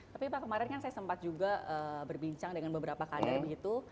tapi pak kemarin kan saya sempat juga berbincang dengan beberapa kader begitu